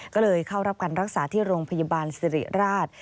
ก็เลยเข้ารับการรักษาที่โรงพยาบาลสิริราช